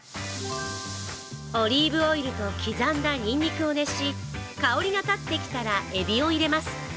オリーブオイルと刻んだにんにくを熱し香りが立ってきたらエビを入れます。